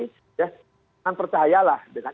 ya jangan percayalah dengan